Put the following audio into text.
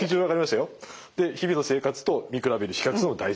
で日々の生活と見比べる比較するの大事。